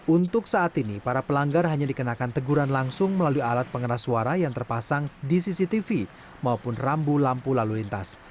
untuk saat ini para pelanggar hanya dikenakan teguran langsung melalui alat pengeras suara yang terpasang di cctv maupun rambu lampu lalu lintas